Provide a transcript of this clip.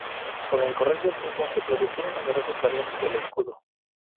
Con el correr del tiempo se reprodujeron numerosas variantes del escudo.